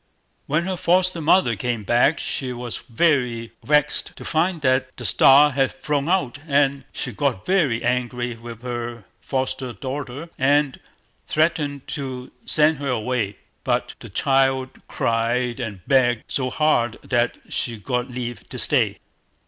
When her foster mother came back, she was very vexed to find that the star had flown out, and she got very angry with her foster daughter, and threatened to send her away; but the child cried and begged so hard that she got leave to stay.